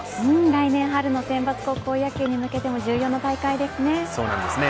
来年春の選抜高校野球に向けて重要な大会ですね。